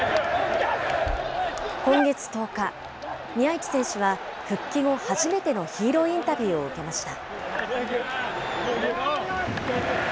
今月１０日、宮市選手は復帰後初めてのヒーローインタビューを受けました。